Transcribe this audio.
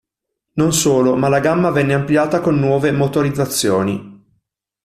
Non solo, ma la gamma venne ampliata con nuove motorizzazioni.